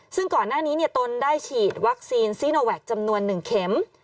ซึ่งก่อนหน้านี้ตนได้ฉีดวัคซีนซีโนแวคจำนวน๑เข็ม